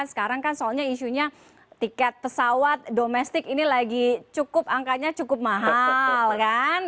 sekarang kan soalnya isunya tiket pesawat domestik ini lagi cukup angkanya cukup mahal kan